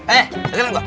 eh sedih bang